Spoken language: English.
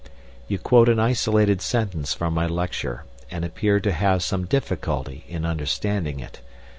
You quote an isolated sentence from my lecture, and appear to have some difficulty in understanding it.